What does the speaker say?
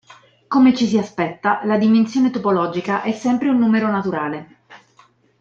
Come ci si aspetta, la dimensione topologica è sempre un numero naturale.